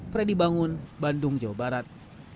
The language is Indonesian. freddy bangun bandung jawa barat